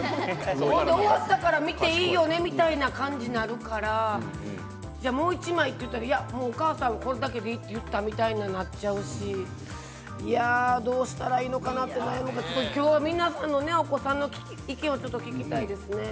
終わったから見ていいよねみたいな感じになるからもう１枚って言ったらいや、お母さんこれだけでいいと言ったみたいになっちゃうしどうしたらいいのかなってちょっと今日は皆さんのお子さんの意見をちょっと聞きたいですね。